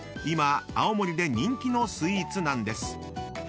今青森で人気のスイーツなんです］